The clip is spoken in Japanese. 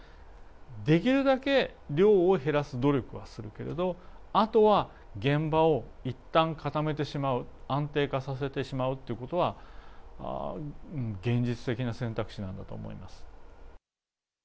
できるだけ量を減らす努力はするけれど、あとは現場をいったん固めてしまう、安定化させてしまうっていうことは、現実的な選択肢なんだと思います。